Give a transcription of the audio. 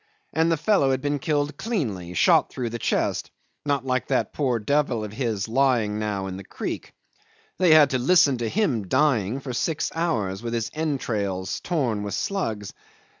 and the fellow had been killed cleanly, shot through the chest, not like that poor devil of his lying now in the creek. They had to listen to him dying for six hours, with his entrails torn with slugs.